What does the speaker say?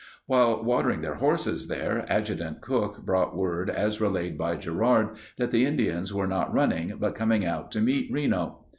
While watering their horses there, Adjutant Cooke brought word as relayed by Gerard that the Indians were not running but coming out to meet Reno.